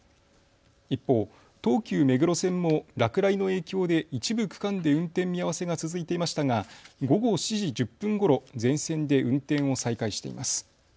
一方、東急目黒線も落雷の影響で一部区間で運転見合わせが続いていましたが午後７時１０分ごろ全線で運転を再開しています。